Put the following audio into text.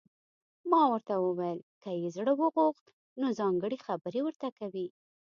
ما ورته وویل: که یې زړه وغوښت، نو ځانګړي خبرې ورته کوي.